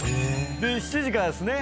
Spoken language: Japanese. ７時からですね。